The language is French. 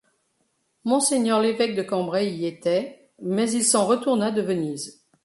Monseigneur l’évêque de Cambrai y était, mais il s’en retourna de Venise.